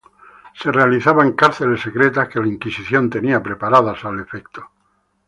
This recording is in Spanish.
Se realizaba en cárceles secretas que la Inquisición tenía preparadas al efecto.